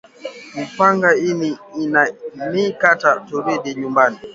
Mupanga ina ni kata turudi nyumbani